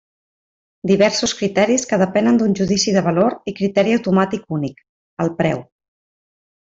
Diversos criteris que depenen d'un judici de valor i criteri automàtic únic: el preu.